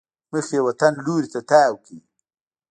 مخ یې وطن لوري ته تاو کړی.